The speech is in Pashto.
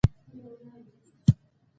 افغانستان د جواهرات کوربه دی.